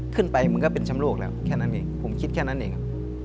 มันก็เป็นแชมป์โลกแล้วแค่นั้นเองผมคิดแค่นั้นเอง